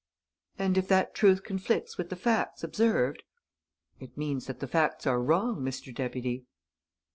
"And if that truth conflicts with the facts observed?" "It means that the facts are wrong, Mr. Deputy."